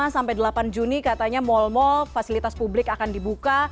lima sampai delapan juni katanya mal mal fasilitas publik akan dibuka